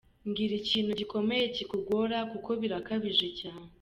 Mbwira ikintu gikomeye kikugora kuko birakabije cyane.